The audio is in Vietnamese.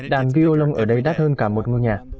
đàn viô lông ở đây đắt hơn cả một ngôi nhà